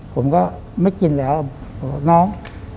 ผมก็ไม่กินแล้วบอกน้อง